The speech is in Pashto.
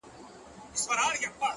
دا لکه ماسوم ته چي پېښې کوې ـ